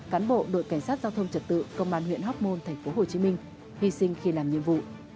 cán bộ đội cảnh sát giao thông trật tự công an huyện hóc môn tp hcm hy sinh khi làm nhiệm vụ